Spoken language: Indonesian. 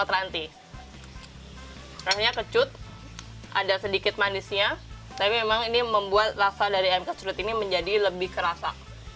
rasanya kecut ada sedikit manisnya tapi memang ini membuat rasa dari ayam kesrut ini menjadi lebih kerasa